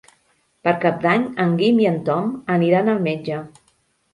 Per Cap d'Any en Guim i en Tom aniran al metge.